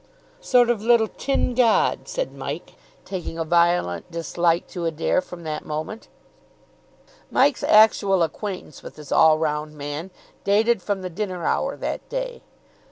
"Sort of little tin god," said Mike, taking a violent dislike to Adair from that moment. Mike's actual acquaintance with this all round man dated from the dinner hour that day.